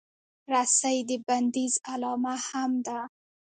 رسۍ د بندیز علامه هم ده.